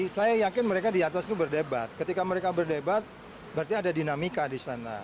saya yakin mereka di atas itu berdebat ketika mereka berdebat berarti ada dinamika di sana